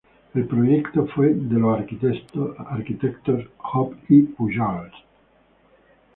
El proyecto fue de los arquitectos Hope y Pujals.